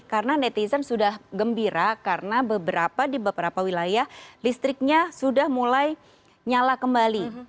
karena netizen sudah gembira karena beberapa di beberapa wilayah listriknya sudah mulai nyala kembali